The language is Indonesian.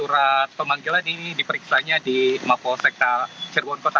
surat pemanggilan ini diperiksanya di mapol sekta cirebon kota